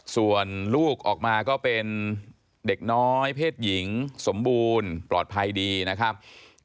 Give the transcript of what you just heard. ส่วนลูกออกมาก็เป็นเด็กน้อยเพศหญิงสมบูรณ์ปลอดภัยดีนะครับ